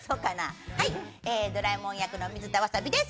ドラえもん役の水田わさびです。